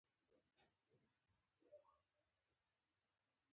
په سهار له غیب څخه مې ښه زیری غوږ ته راورسېد.